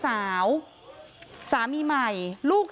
สวัสดีครับทุกคน